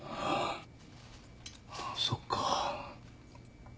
そっか。